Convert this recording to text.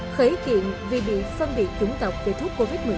khởi kiện vì bị phân biệt chúng tộc về thuốc covid một mươi chín